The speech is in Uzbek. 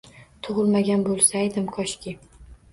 Tug’ilmagan bo’lsaydim, koshki